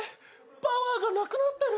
パワーがなくなってる。